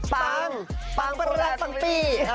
ปังปังเพราะรักปังปี